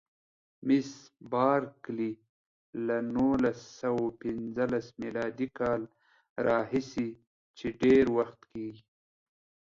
مس بارکلي: له نولس سوه پنځلسم میلادي کال راهیسې چې ډېر وخت کېږي.